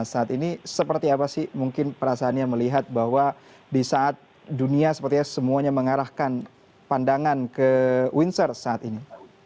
saat ini seperti apa sih mungkin perasaannya melihat bahwa di saat dunia sepertinya semuanya mengarahkan pandangan ke windsor saat ini